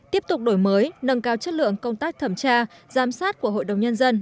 tiếp tục đổi mới nâng cao chất lượng công tác thẩm tra giám sát của hội đồng nhân dân